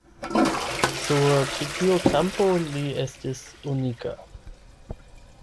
Sur ĉi tiu kampo li estis unika.